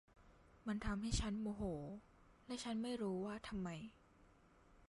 มันทำให้ฉันโมโห และฉันไม่รู้ว่าทำไม